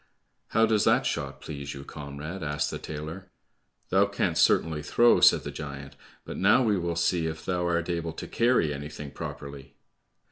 "How does that shot please you, comrade?" asked the tailor. "Thou canst certainly throw," said the giant, "but now we will see if thou art able to carry anything properly."